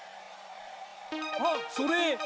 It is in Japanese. あっそれ！